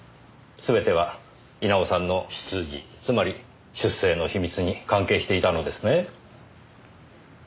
すべては稲尾さんの出自つまり出生の秘密に関係していたのですね。